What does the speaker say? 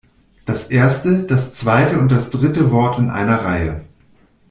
Das erste, das zweite und das dritte Wort in einer Reihe.